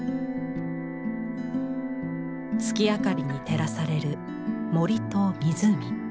月明かりに照らされる森と湖。